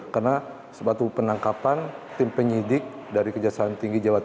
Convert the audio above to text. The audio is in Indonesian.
karena sebab itu penangkapan tim penyidik dari kejaksaan tinggi jawa timur